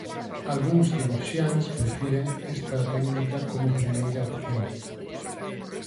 Algúns cirurxiáns prefiren esta técnica como primeira opción.